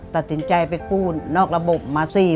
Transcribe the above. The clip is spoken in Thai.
ตัดสินใจไปกู้นอกระบบมาสิ